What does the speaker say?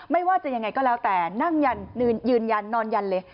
ไม่ว่าจะยังไงก็แล้วแต่นั่งยันยืนยันนอนยันเลย